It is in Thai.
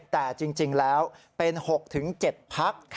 แต่จริงแล้วเป็น๖๗พัก